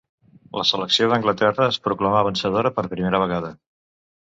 La selecció d'Anglaterra es proclamà vencedora per primera vegada.